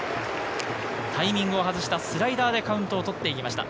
タイミングを外したスライダーでカウントを取っていきました。